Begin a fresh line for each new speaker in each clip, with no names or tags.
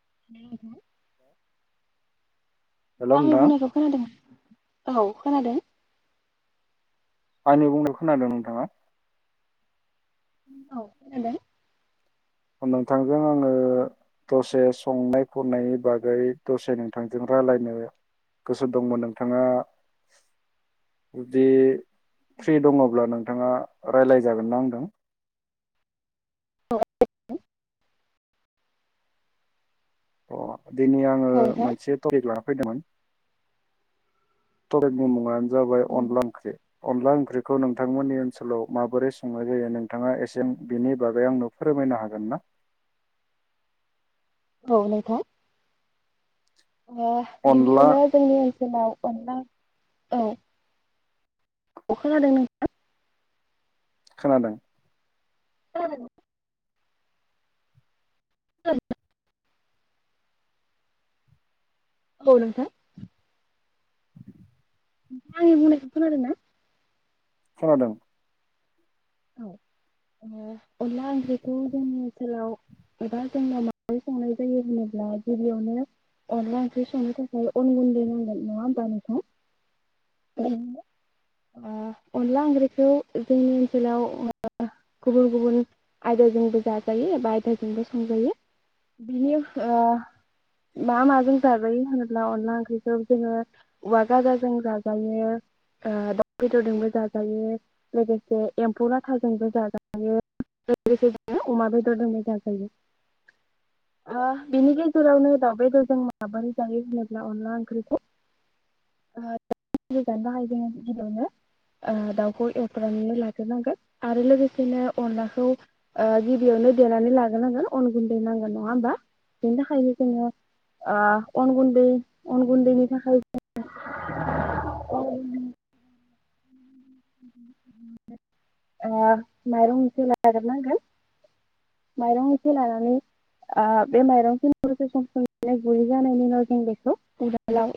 [unintelligible]
[unintelligible] हेल'
आंनि
नोंथां
बुंनायखौ खोनादों औ खोनादों।
आंनो बुंनायखो खोनादों नोंथाङा
हेल
नोंथांजों आङो दसे संनाय खुरनाय नि बागै दसे नोंथांजों रायलायनो गोसो दंमोन नोंथाङा जुदि फ्रि दङब्ला नों नोंथाङा रायलायजागोन ना आंदों
[unintelligible]
अ दिनै आङो
नोंथां।
मोनसे टपिक लानानै फैदोमोन टपिकनि मुंआनो जाबाय अनला ओंख्रि अनला ओंख्रिखौ नोंथांमोननि ओनसोलाव माबोरै संनाय जायो नोंथाङा एसे बिनि बागै आंनो फोरमायनो हागोन ना
औ नोंथां अ
अनला
गिबियावनो जोंनि ओनसोलाव अनला औ अ खोनादों नोंथां
खोनादों
खोनादोंना [unintelligible] औ नोंथां आंनि बुंनायखौ खोनादों ना
खोनादों
औ अनला ओंख्रि खौ जोङो ओनसोलाव एबा जोंनाव माबै संनाय जायो होनोब्ला गिबियावनो अनला ओंख्रि संनो थाखाय अन गुन्दै नांगोन नङा होमबा नोंथां आ अनला ओंख्रिखौ जोंनि ओनसोलाव गुबुन गुबुन आयदाजोंबो जाजायो बबा आयदाजोंबो संजायो बिनि ओ मा माजों जाजायो होनोब्ला अनला ओंख्रिखौ जोङो औवा गाजाजों जाजायो दाउ बेदरजोंबो जाजायो लोगोसे एम्फौ लाथाजोंबो जाजायो लोगोसे अमा बेदरजोंबो जाजायो ओ बेनि गेजेरावनो दाउ बेदरजों माबोरै जायो होनोब्ला अनला ओंख्रिखौ ओ गोजानो थाखाय जोङो गिबियावनो दाउखौ एवफ्राननानै लाग्रोनांगोन आरो लोगोसेनो अनलाखौ ओ गिबियावनो देनानै लाग्रोनांगोन अन गुन्दै नांगोन नङा होमबा बेनि थाखायनो जोङो ओ अन गुन्दै अन गुन्दैनि थाखाय जोङो [unintelligible] आ माइरं‌ इसे लाग्रो नांगोन माइरं एसे लानानै आ‌‌ बे माइरं खनाखौसो सम गुरै जानायनि उनाव जों बेखौ उवालाव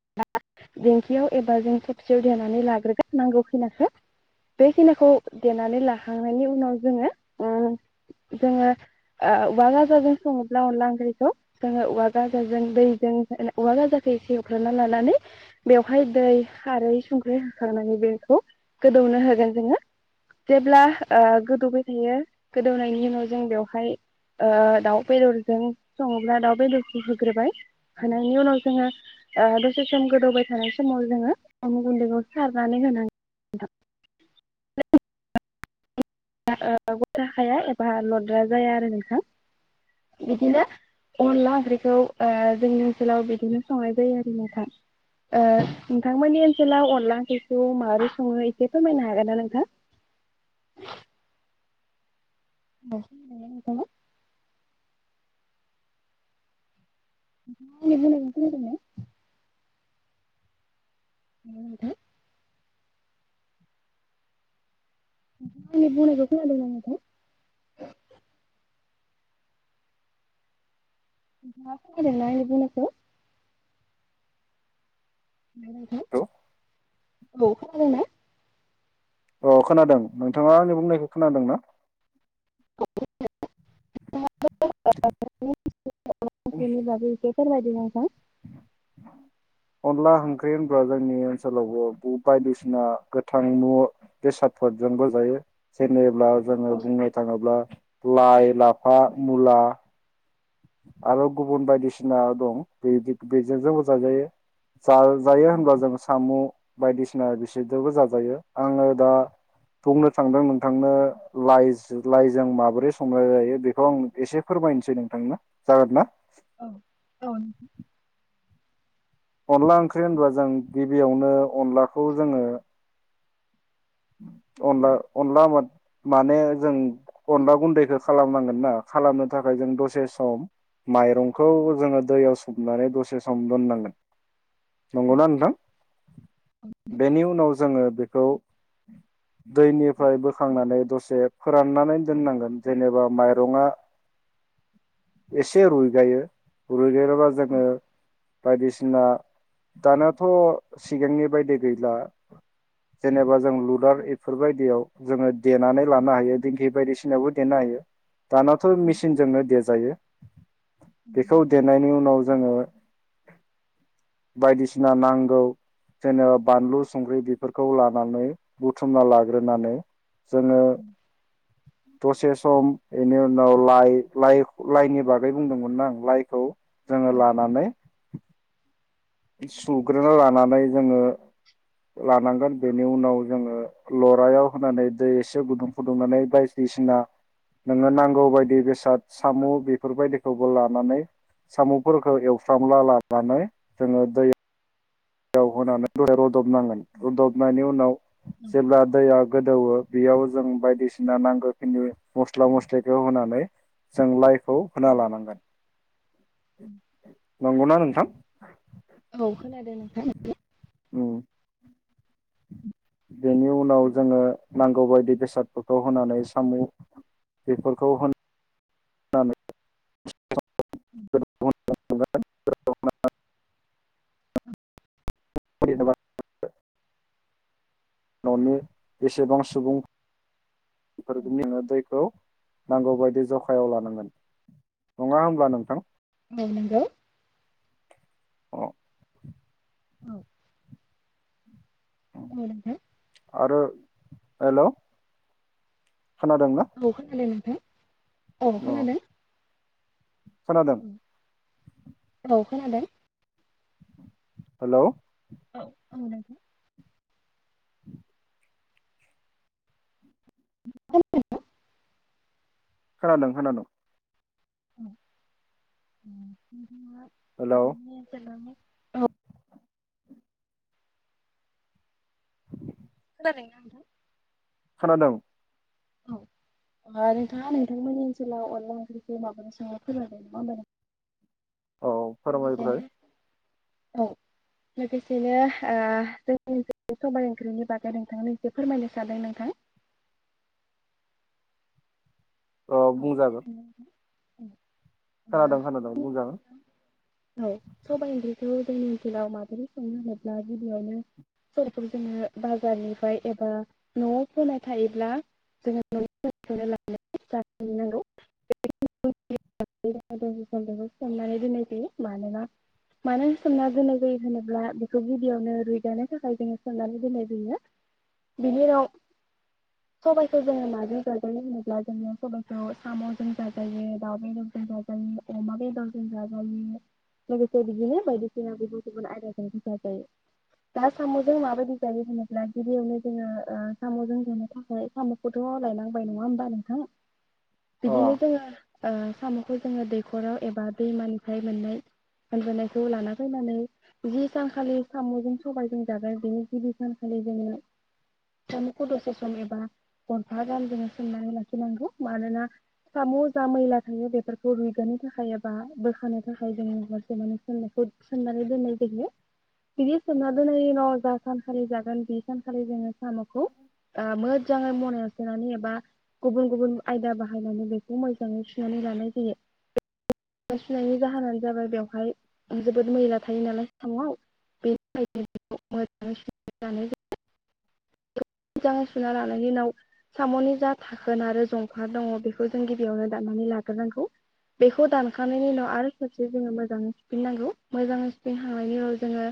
दिंखियाव एबा जों थबसेयाव देनानै लाग्रोगोन नांगौ खिनाखो बे खिनाखौ देनानै लाखांनायनि उनाव जोङो ओ जोङो ओ ओ‌ औवा गाजों सङोब्ला अनला ओंख्रिखौ जोङो औवा गाजाजों दैजों औवा गाजाखो इसे‌ एववफ्रानना लानानै बेवहाय दै खारै संख्रि होखांनानै बेखौ गोदौनो होगोन जोङो जेब्ला ओ गोदौबाय थायो गोदौनायनि उनाव जों बेवहाय बेवहाय ओ दाउ बेदरजों सङोब्ला दाउ बेदरखौ होग्रोबाय होनायनि उनाव जोङो ओ दसे सम गोदौबाय थानाय समाव जोङो अम गुन्दैखौ सारनानै होनानै [unintelligible] गथा खाया एबा स्रा जाया आरो नोंथां बिदिनो अनला ओंख्रिखौ ओ जोंनि ओनसोलाव बिदिनो संनाय जायो आरो नोंथां‌ ओ नोंथांमोननि ओनसोलाव अनला ओंख्रिखौ माबोरै सङो एसे फोरमायनो हागोन ना नोंथां [unintelligible] नोंथाङा आंनि बुंनायखौ बुंदोनो उम उम नोंथाङा आंनि बुंनायखौ खोनादों ना नोंथां नोंथाङा खोनादों ना आंनि बुंनायखौ ना नोंथां औ खोनादोंना?
अ खोनादों नोंथाङा आंनि बुंनायखौ खोनादों ना
[unintelligible] [unintelligible] बेफोरनि बागै इसे फोरमायथिना हो [unintelligible]
अनला ओंख्रि होनब्ला जोंनि ओनसोलावबो बु बायदिसिना गोथां मु बेसादफोरजोंबो जायो जेने ब्ला जोङो बुंनो थाङोब्ला लाइ, लाफा, मुला। आरो गुबुन बायदिसिना दं बे बेजोंबो जाजायो। जाजायो होनबा जों सामु बायदिसिना बिसोरजोंबो जाजायो आङो दा बुंनो थांदों नोंथांनो लाइ लाइजों माबोरै संङो बेखौ आं एसे फोरमायनोसै नोंथांनो। जागोन ना? अनला ओंख्रि होनबा जों गिबियावनो अनलाखौ जोङो अनला-अनला माने जों अनला गुन्दैखौ खालामनांगोन ना खालामनो थाखाय जों दसे सम माइरंखौ जोङो दैयाव सोमनानै दसे सम दोननांगोन नंगौना नोंथां बेनि उनाव जोङो बेखौ दैनिफ्राय बोखांनानै दसे फोराननानै दोननांगोन जेनेबा माइरंआ एसे रुइगायो रुइगायोबा जोङो बायदिसिना दानियाथ' सिगांनि बायदि गैला जेनेबा जों लुदार बेफोरबायदियाव जोङो देनानै लानो हायो दिंखि बायदिसिनायावबो देनो हायो। दानाथ' मेसिनजोंनो देजायो। बेखौ देनायनि उनाव जोङो बायदिसिना नांगौ जेनेबा बानलु संख्रि बेफोरखौ लानानै बुथुमना लाग्रोनानै जोङो दसे सम इनि उनाव लाइ लाइ लाइनि बागै बुंदोंमोना आं लाइखौ जोङो लानानै सुग्रोना लानानै जोङो लानांगोन। बेनि उनाव जोङो लरायाव होनानै दै एसे गुदुं फुदुंनानै बायदिसिना नोङो नांगौ बायदि बेसाद साम' बेफोरबायदिखौबो लानानै साम'फोरखौ एवफ्रामला लानानै जोङो दै [inaudible] रूदबनांगोन रुदबनायनि उनाव जेब्ला दैया गो गोदौवो बेयाव जों बायदिसिना नांगौखिनि मस्ला मस्लिखौ होनानै जों लाइ खौ होना लानांगोन नंगौना नोंथां?
औ खोनादों नोंथां।
औ।
[inaudible]
बेनि उनाव जोङो नांगौ बादि बेसादफोरखौ होनानै साम' बेफोरखौ हो नानै
[unintelligible]
[inaudible] [inaudible] न'नि बेसेबां सुबुं [inaudible] नांगौ बायदि जखायाव लानांगोन नङा होमब्ला नोंथां।
औ नंगौ।
अ
औ‌। औ नोंथां।
आरो हेलौ। खोनादोंना
औ खोनादों नोंथां। अ खोनादों।
खोनादों
औ। खोनादों।
हेलौ
औ औ
[inaudible]
[unintelligible]
खोनादों खोनादोंं।
[inaudible]
हेलौ
औ। [unintelligible]
खोनादोंं।
औ नोंथाङा नोंथांमोननि ओनसोलाव अनला ओंख्रिखौ माबानो संङो फोरमायदो नामा?
औ फोरमायबाय
औ लोगोसेनो ओ जोंनि सबाय ओंख्रिनि बागै नोंथांएसे फोरमायनो सानदों नोंथां।
अह
औ
बुंजागोन।
खोनादों [inaudible]
खोनादों खोनादों बुं जागोन।
औ सबाय ओंख्रिखौ जोंनि ओनसोलाव माबोरै संनो होनोब्ला गिबियावनो सबायखौ जोङो बाजारनिफ्राय एबा न'आव फोनाय थायोब्ला जोङो न'नि लानांगौ। बेखौ सोमनानै दोननाय जायो मानोना मानो सोमना दोननाय जायो होनोब्ला बेखौ गिबियावनो रुइजानो थाखाय जोङो सोमनानै दोननाय जायो बिनि उनाव सबायाइखौ जोङो माजों जाजायो होनोब्ला जोङो सबखौ सामजों जायो। जायो दाउ बेदरजों जाजायो अमा बेदरजों जाजायो लोगोसे बिदिनो बायदिसिना गुबुन गुबुन आयदाजबो जाजायो दा सामजों माबायदि जायो होनोब्ला गिबियावनो जोङो सामजों जानो थाखाय सामखौथ लायनांबाय नङा होमबा नोंथां। बिदिनो
अह
जोङो ओ साम'खौ जोङो दैख'राव एबा दैमानिफ्राय मोननाय मोनबोनायखौ लाना फैनानै जि सानखालि साम'जों सबायजों जागोन बेनि गिबि सानखालि जोङो साम'खौ दसे सम एबा घन्टा गान जोङो सोमनानै लाखिनांगौ मानोना साम' जा मैला थायो बेफोरखौ रुइगो थाखाय एबा बोखानो थाखाय जोङो हरसे माने सोमनायखौ सोमनानै दोननाय जाहयो बिदि सोनना दोननायनि उनाव जा सानखालि जागोन बि सानखालि जोङो। सामाखौ ओ मोजाङै मनायाव। सुनानै एबा गुबुन गुबुन आयदा बाहायनानै बे मोजाङै सुनानै लानाय जायो सुनायनि जाहोनानो जाबाय बेवहाय जोबोद मैला थायो नालाय साम'आव बेनिखनो मोजाङै स लानाय ज मोजाङै सुना लानायनि उनाव साम'नि जा थाखोन आरो जंफा दङ बेखौ। जों गिबियावनो दाननानै लाग्रोनांगौ बेखौ दानखांनायनि उनाव आरो सबसे जोङो मोजाङै सुफिनांगौ मोजाङै सुफिनखांनायनि उनाव जोङो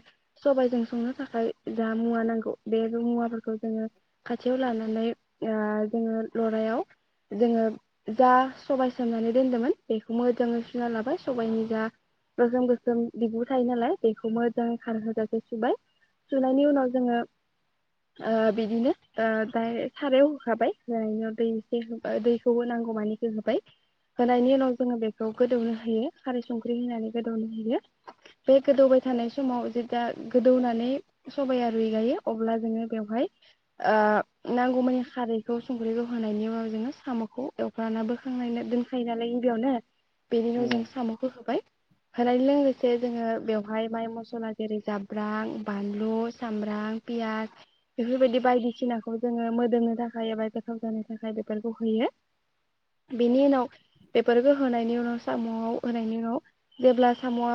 सबायजों संनो थाखाय जा मुवा नांगौ बे मुवाफोरखौ जोङो खाथियाव लानानै जोङो लरायाव जोङो। जा सबाय सोमनानै दोनदोंमोन बेखौ मोजाङै सुना लाबाय सबायनि जा गोसोम गोसोम बिबु थायो नालाय बेखौ मोजां खारहोजासे सुबाय सुनायनि उनाव जोङो बिदिनो दायरेग सारायाव होखाबाय होन दै एसे दैखौबो नांगौ। हौमानिखौ होबाय होनायनि उनाव जोङो बेखौ गोदौनो होयो खारै संख्रि होनानै गोदौनो होयो बे गोदौबाय थानाय समाव जेदा गोदौनानै सबाया रुइगायो अब्ला जोङो बेवहाय ओ नांगौमानि खारैखौ संख्रिखौ होनायनि उनाव जोङो साम'खौ। द'खाना बोखांनायना दोनखायो। जालाय बेयावनो बेनि उनाव
उम
जों सामखौ होबाय होनाय लोगोसे जोङो बेवहाय माइ मसला जेरै जाब्रां बानलु सामब्राम पियास बेफोरबायदि बायदिसिनाखौ जोङो मोदोमनो थाखाय एबा गोथाव जानो थाखाय बेफोरखौ होयो। बेनि उनाव बेफोरखौ होनायनि उनाव सामआव होनायनि उनाव जेब्ला सामआ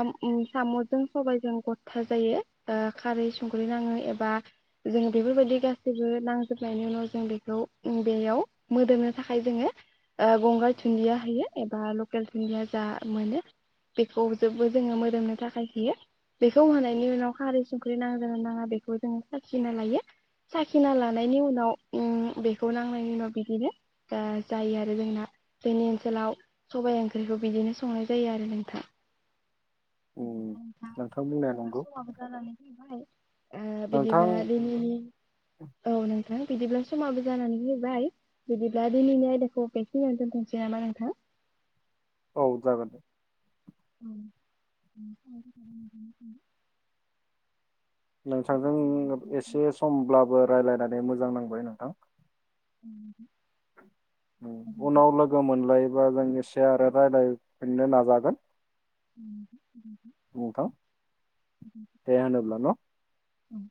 सामजों सबायाइजों गथा जायो खारै संख्रि नाङो एबा जों बेफोरबायदि गासैबो नांजोबनायनि उनाव जों बेखौ बेयाव मोदोमनो थाखाय जोङो। आ गंगार दुनन्दिया होयो एबा लकेल दुनन्दिया जा मोनो बेखौ जेबो जोङो मोदोमनो थाखाय होयो। बेखौ होनायनि उनाव खारै संख्रि नांङोना नाङा बेखौ जोङो साखिना लायो साखिना लानायनि उनाव उम बेखौ नांनायनि उनाव बिदिनो जा जायो आरो जोंना जोंनि ओनसोलाव सबाइ ओंख्रिखौ बिदिनो संनाय जायो आरो नोंथां।
उम
बिदि बा नोंथां
बुंनाया
जोंहा
नंगौ
समाबो जानानै फैबाय। ओ
नोंथां
बिदिब्ला दिनैनि औ नों ओ बिदिब्ला समाबो जानानै फैबाय, बिदिब्ला दिनैनि आयदाखौ बेखिनियावनो दोनथ'नोसै नामा नोंथां?
औ जागोन दे।
औ [inaudible]
नोंथांजों एसे समब्लाबो रायलायनानै मोजां नांबाय नोंथां।
उम नोंथां
उनाव लोगो मोनलाय बा जों एसे आरो रायलायफिननो नाजागोन
औ नोंथां गोजोन्थों।
नोंथां दे होनोब्ला न
उम